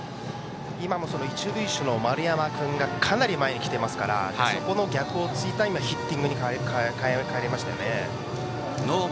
今も一塁手の丸山君がかなり前に来ていますからそこの逆を突いたヒッティングに変えましたよね。